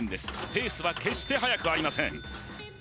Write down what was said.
ペースは決して早くありません